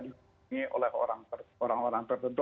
dihubungi oleh orang orang tertentu